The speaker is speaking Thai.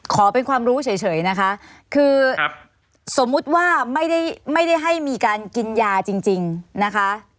ขอเป็นความรู้เฉยนะคะคือสมมุติว่าไม่ได้ให้มีการกินยาจริงนะคะ